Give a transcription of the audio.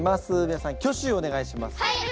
みなさん挙手をお願いします。